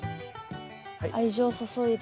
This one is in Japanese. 愛情注いで。